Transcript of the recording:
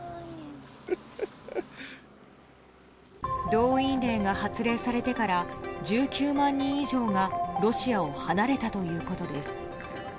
動員令が発令されてから１９万人以上がロシアを離れたということです。